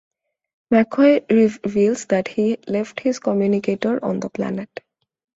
McCoy reveals that he left his communicator on the planet.